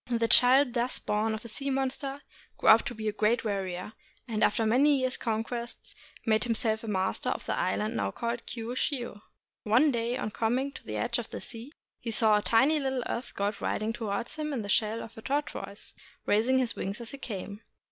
The child thus born of a sea monster grew up to be a great warrior, and after many years' conquest made himself master of the island now called Kiushiu. One day, on coming to the edge of the sea, he saw a tiny little earth god riding towards him in the shell of a tortoise, raising his wings as he came.